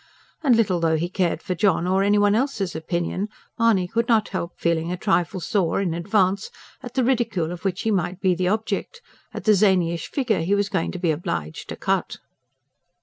And little though he cared for John or any one else's opinion, Mahony could not help feeling a trifle sore, in advance, at the ridicule of which he might be the object, at the zanyish figure he was going to be obliged to cut.